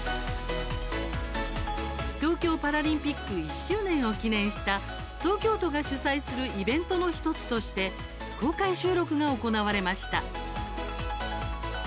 東京パラリンピック１周年を記念した東京都が主催するイベントの１つとして公開収録が行われました。